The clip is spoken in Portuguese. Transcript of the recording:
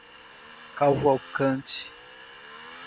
Cavalcante